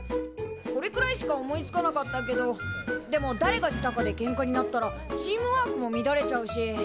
これくらいしか思いつかなかったけどでもだれがしたかでケンカになったらチームワークも乱れちゃうし。